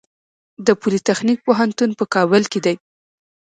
د پولي تخنیک پوهنتون په کابل کې دی